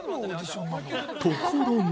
ところが。